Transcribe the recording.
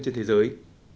trên thế giới